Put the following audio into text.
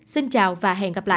xin chào và hẹn gặp lại